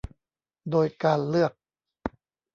โดยการเลือก